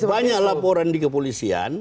banyak laporan di kepolisian